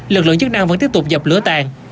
lực lượng chức năng vẫn tiếp tục dập lửa tàn